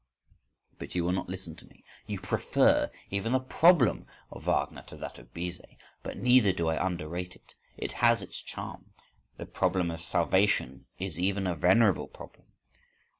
… —But you will not listen to me? You prefer even the problem of Wagner to that of Bizet? But neither do I underrate it; it has its charm. The problem of salvation is even a venerable problem.